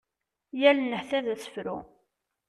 Yal nnehta d asefru.